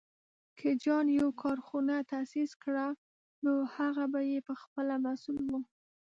که جان يو کارخونه تاسيس کړه، نو هغه به یې پهخپله مسوول و.